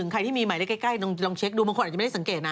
ใครที่มีหมายเลขใกล้ลองเช็คดูบางคนอาจจะไม่ได้สังเกตนะ